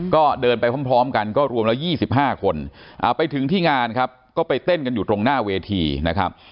ก็เดินไปพร้อมกันก็รวมแล้ว๒๕คนไปถึงที่งานครับก็ไปเต้นกันอยู่ตรงหน้าเวทีนะครับ